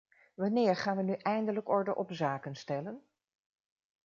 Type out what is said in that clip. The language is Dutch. Wanneer gaan we nu eindelijk orde op zaken stellen?